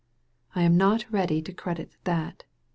I am not ready to credit that.